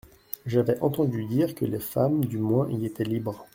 J'avais entendu dire que les femmes, du moins, y étaient libres.